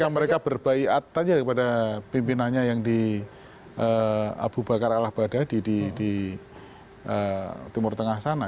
ketika mereka berbaik atanya kepada pimpinannya yang di abu bakar al abada di timur tengah sana